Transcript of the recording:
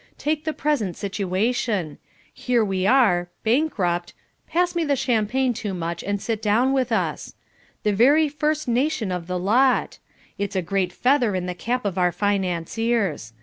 Take the present situation. Here we are, bankrupt pass me the champagne, Toomuch, and sit down with us the very first nation of the lot. It's a great feather in the cap of our financiers.